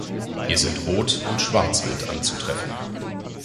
Hier sind Rot- und Schwarzwild anzutreffen.